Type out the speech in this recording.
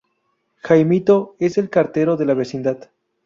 Jaimito es el cartero de la vecindad.